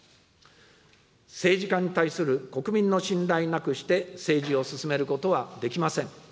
政治家に対する国民の信頼なくして政治を進めることはできません。